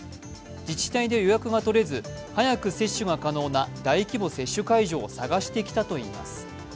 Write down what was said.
自治体で予約が取れず、早く接種が可能な大規模接種会場を探してきたといいます。